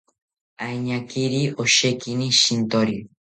Añakiri oshekini shintori